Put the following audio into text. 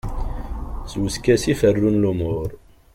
S uskasi i ferrun lumuṛ.